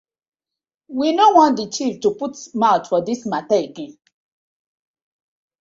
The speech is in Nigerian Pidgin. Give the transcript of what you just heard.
We no want the chiefs to put mouth for dis matta again.